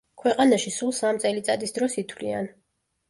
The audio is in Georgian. ქვეყანაში სულ სამ წელიწადის დროს ითვლიან.